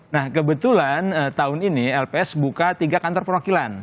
nah kebetulan tahun ini lps buka tiga kantor perwakilan